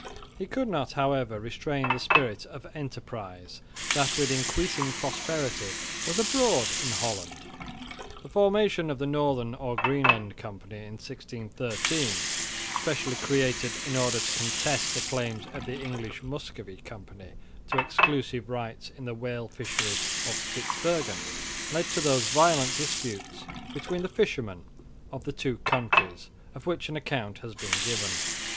He could not, however, restrain the spirit of enterprise that with increasing prosperity was abroad in Holland. The formation of the Northern or Greenland Company in 1613, specially created in order to contest the claims of the English Muscovy Company to exclusive rights in the whale fishery off Spitsbergen, led to those violent disputes between the fishermen of the two countries, of which an account has been given.